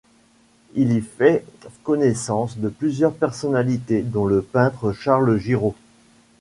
Il y fait connaissance de plusieurs personnalités dont le peintre Charles Giraud.